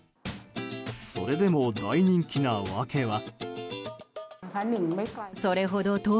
それでも大人気な訳は。